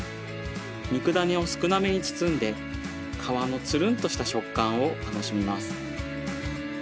肉ダネを少なめに包んで皮のつるんとした食感を楽しみます。